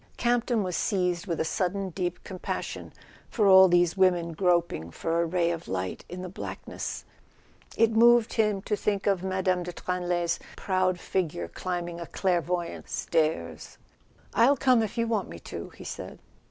Campton was seized with a sudden deep compas¬ sion for all these women groping for a ray of light in the blackness. It moved him to think of Mme. de Tranlay's proud figure climbing a clairvoyantss stairs. "I'll come if you want me to," he said.